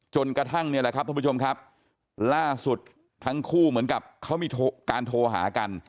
จนกระทั่งเนี่ยแหละครับท่านผู้ชมครับล่าสุดทั้งคู่เหมือนกับเขามีการโทรหากัน